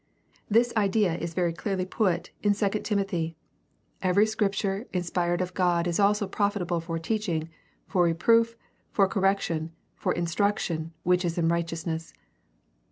This idea is very clearly put in II Timothy: "Every scrip ture inspired of God is also profitable for teaching, for reproof, for correction, for instruction which is in righteousness."